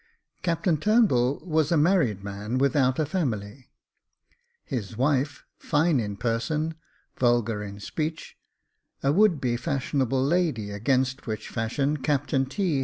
Captain Turnbull was a married man without a family ; his wife, fine in person, vulgar in speech, a would be fashionable lady, against which fashion Captain T.